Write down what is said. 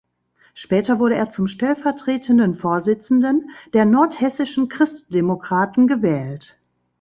Später wurde er zum stellvertretenden Vorsitzenden der nordhessischen Christdemokraten gewählt.